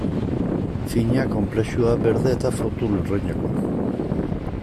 Fina, konplexua, berde eta fruitu lurrinekoa...